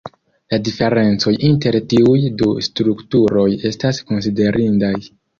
La diferencoj inter tiuj du strukturoj estas konsiderindaj.